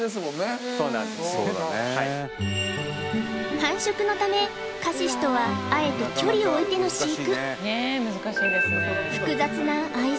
繁殖のためカシシとはあえて距離を置いての飼育